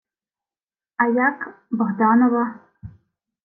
— А як... Богданова?